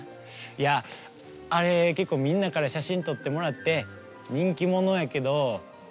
いやあれ結構みんなから写真撮ってもらって人気者やけど僕は